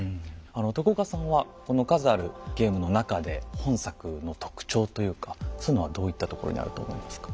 徳岡さんはこの数あるゲームの中で本作の特徴というかそういうのはどういったところにあると思いますか？